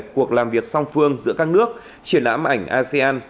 cuộc làm việc song phương giữa các nước triển lãm ảnh asean